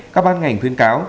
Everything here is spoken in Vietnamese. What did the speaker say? các ban ngành khuyên cáo